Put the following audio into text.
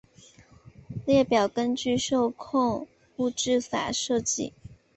列表根据受控物质法设计。